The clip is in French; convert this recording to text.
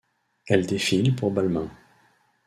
Elle défile pour Balmain.